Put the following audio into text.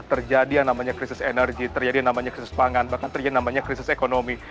terjadi yang namanya krisis energi terjadi yang namanya krisis pangan bahkan terjadi namanya krisis ekonomi